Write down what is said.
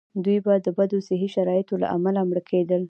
دوی به د بدو صحي شرایطو له امله مړه کېدل.